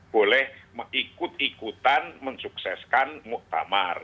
boleh ikut ikutan mensukseskan muktamar